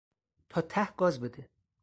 تا ته گاز بده!